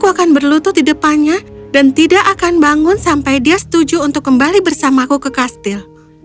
aku akan berlutut di depannya dan tidak akan bangun sampai dia setuju untuk kembali bersamaku ke kastil